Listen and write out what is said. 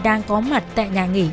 đang có mặt tại nhà nghỉ